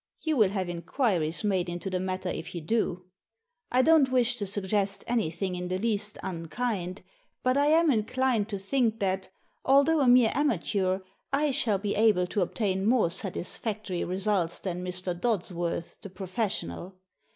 You will have inquiries made into the matter if you do. I don't wish to suggest anything in the least unkind, but I am inclined to think that, although a mere amateur, I shall be able to obtain more satisfactory results than Mr. Dodsworth, the professional.